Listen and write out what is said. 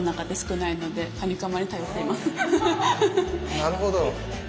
なるほど。